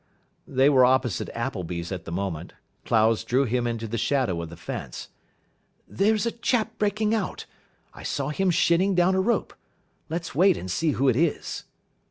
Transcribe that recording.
They were opposite Appleby's at the moment. Clowes drew him into the shadow of the fence. "There's a chap breaking out. I saw him shinning down a rope. Let's wait, and see who it is."